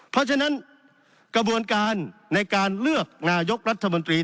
เพราะฉะนั้นกระบวนการในการเลือกนายกรัฐมนตรี